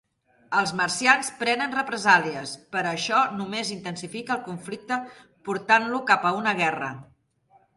Els marcians prenen represàlies, però això només intensifica el conflicte portant-lo cap a una guerra.